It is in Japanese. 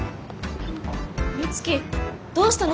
美月どうしたの？